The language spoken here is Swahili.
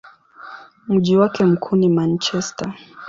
Mji wake mkuu ni Manchester.